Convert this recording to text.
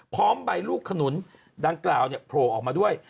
พร้อมใบลูกขนุนดังกล่าวโผล่ออกมาด้วย